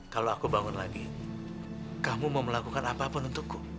kalau aku bangun lagi kamu mau melakukan apapun untukku